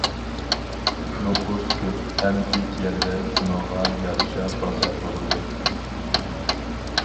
نوپۇس كۆپ ھەم زىچ يەردە شۇنىڭغا يارىشا بازار بولىدۇ.